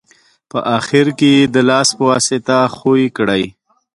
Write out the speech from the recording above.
په اخیر کې یې د لاس په واسطه ښوي کړئ.